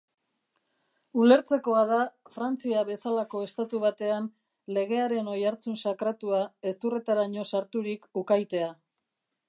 Ulertzekoa da Frantzia bezalako estatu batean legearen oihartzun sakratua hezurretaraino sarturik ukaitea.